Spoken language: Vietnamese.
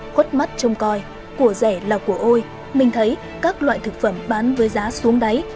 khuất mắt trông coi của rẻ là của ôi mình thấy các loại thực phẩm bán với giá xuống đáy